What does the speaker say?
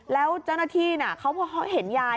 แล้วเจ้าหน้าที่เขาพอเห็นยาย